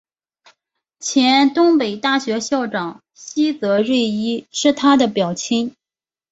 前东北大学校长西泽润一是他的表亲。